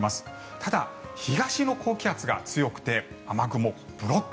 ただ、東の高気圧が強くて雨雲がブロック。